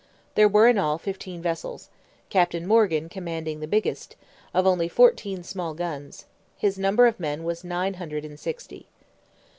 There were in all fifteen vessels, Captain Morgan commanding the biggest, of only fourteen small guns; his number of men was nine hundred and sixty.